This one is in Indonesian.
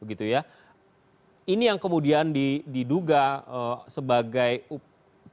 ini yang kemudian diduga sebagai upaya